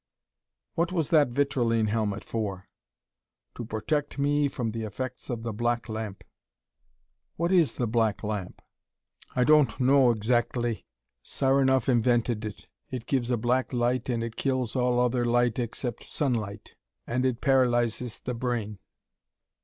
"What was that vitrilene helmet for?" "To protect me from the effects of the black lamp." "What is the black lamp?" "I don't know exactly. Saranoff invented it. It gives a black light and it kills all other light except sunlight, and it paralyses the brain."